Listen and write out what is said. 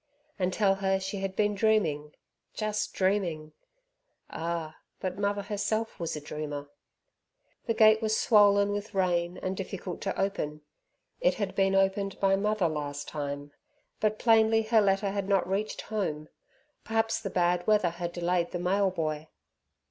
and tell her she had been dreaming, just dreaming. Ah, but mother herself was a dreamer! The gate was swollen with rain and difficult to open. It had been opened by mother last time. But plainly her letter had not reached home. Perhaps the bad weather had delayed the mail boy.